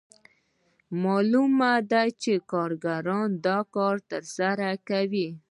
معلومه ده چې کارګران دا کار ترسره کوي